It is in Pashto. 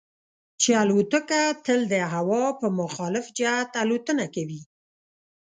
چې الوتکه تل د هوا په مخالف جهت الوتنه کوي.